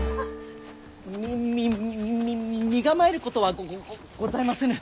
みみみ身構えることはごごございませぬ。